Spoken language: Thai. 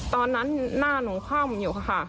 ตอนนั้นหน้านมข้าวมันอยู่ค่ะ